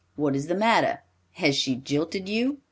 What is the matter? Has she jilted you?